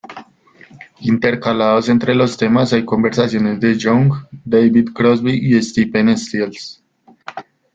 Intercalados entre los temas hay conversaciones de Young, David Crosby y Stephen Stills.